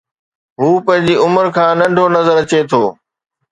هو پنهنجي عمر کان ننڍو نظر اچي ٿو